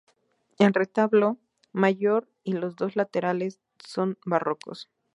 El retablo mayor y los dos laterales son barrocos.